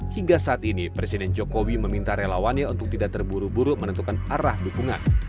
hingga saat ini presiden jokowi meminta relawannya untuk tidak terburu buru menentukan arah dukungan